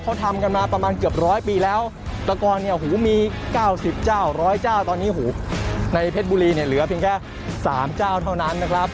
เขาทำกันมาประมาณเกือบร้อยปีแล้วแต่ก่อนเนี่ยหูมี๙๐เจ้าร้อยเจ้าตอนนี้หูในเพชรบุรีเนี่ยเหลือเพียงแค่๓เจ้าเท่านั้นนะครับ